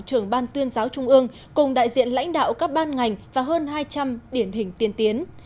trưởng ban tuyên giáo trung ương cùng đại diện lãnh đạo các ban ngành và hơn hai trăm linh điển hình tiên tiến